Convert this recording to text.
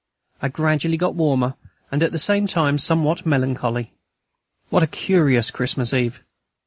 I gradually got warmer, and at the same time somewhat melancholy. What a curious Christmas Eve!